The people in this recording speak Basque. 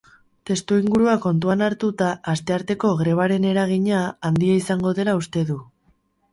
Testuingurua kontuan hartuta, astearteko grebaren eragina handia izango dela uste du.